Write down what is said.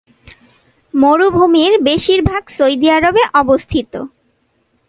মরুভূমির বেশিরভাগ সৌদি আরবে অবস্থিত।